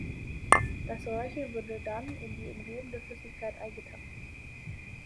Das Röhrchen wurde dann in die umgebende Flüssigkeit eingetaucht.